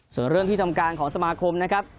ส่วนเรื่องที่ทำการของสมาคมนะครับ